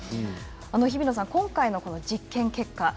日比野さん、今回の実験結果